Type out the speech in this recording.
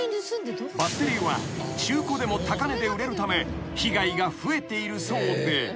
［バッテリーは中古でも高値で売れるため被害が増えているそうで］